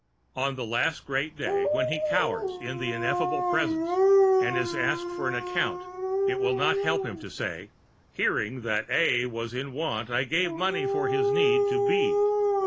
On the Last Great Day, when he cowers in the Ineffable Presence and is asked for an accounting it will not help him to say, "Hearing that A was in want I gave money for his need to B."